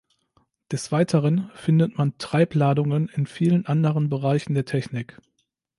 Des Weiteren findet man Treibladungen in vielen anderen Bereichen der Technik.